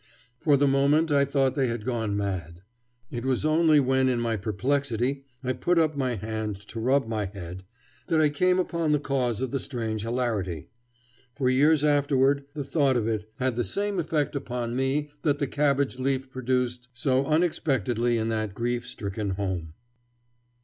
For the moment I thought they had gone mad. It was only when in my perplexity I put up my hand to rub my head, that I came upon the cause of the strange hilarity. For years afterward the thought of it had the same effect upon me that the cabbage leaf produced so unexpectedly in that grief stricken home.